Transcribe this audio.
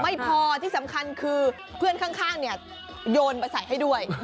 ไม่พอที่สำคัญคือเพื่อนข้างเนี่ยโยนมาใส่ให้ด้วย